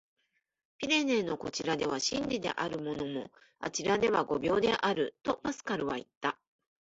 「ピレネーのこちらでは真理であるものも、あちらでは誤謬である」、とパスカルはいった。